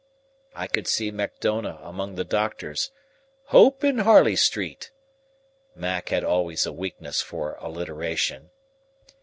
I could see Macdona among the doctors "Hope in Harley Street" Mac had always a weakness for alliteration.